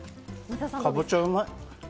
かぼちゃ、うまい。